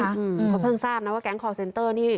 เพราะเพิ่งทราบนะว่าแก๊งคอร์เซ็นเตอร์นี่